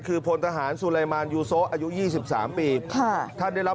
คือพลทหารสุลัยมานยูโซอายุ๒๓ปีท่านได้รับบาดเจ็บ